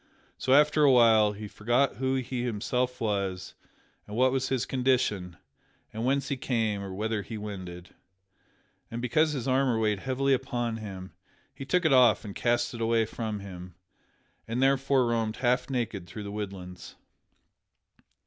So, after a while, he forgot who he himself was, and what was his condition, or whence he came or whither he wended. And because his armor weighed heavily upon him, he took it off and cast it away from him, and thereafter roamed half naked through the woodlands.